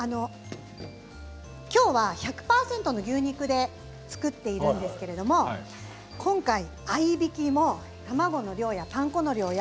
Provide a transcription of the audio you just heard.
きょうは１００％の牛肉で作っているんですけれど今回合いびきも卵の量やパン粉の量